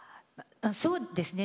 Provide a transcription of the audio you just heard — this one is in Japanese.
そうですね